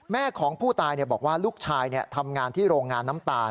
แม่ของผู้ตายบอกว่าลูกชายทำงานที่โรงงานน้ำตาล